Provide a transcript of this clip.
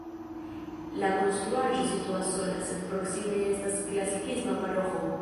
La konstruaĵo situas sola, sed proksime estas klasikisma paroĥo.